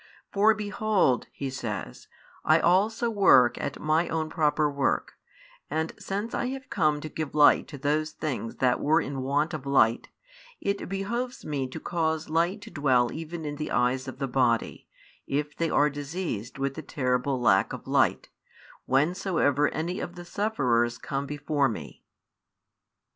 For behold, He says, I also work at My own proper work, and |18 since I have come to give light to those things that were in want of light, it behoves Me to cause light to dwell even in the eyes of the body, if they are diseased with the terrible lack of light, whensoever any of the sufferers come before Me.